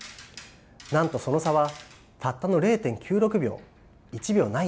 なんとその差はたったの０．９６秒１秒ないんですね。